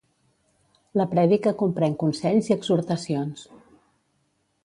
La prèdica comprèn consells i exhortacions.